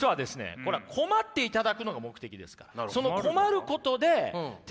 これは困っていただくのが目的ですから。